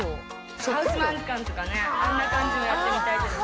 ハウスマヌカンとかね、そんな感じのやってみたいけどね。